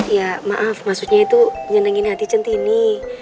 ya maaf maksudnya itu nyenengin hati centini